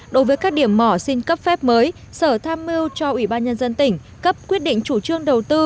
đối với các điểm mỏ xin cấp phép mới sở tham mưu cho ủy ban nhân dân tỉnh cấp quyết định chủ trương đầu tư